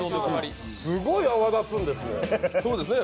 すごい泡立つんですね。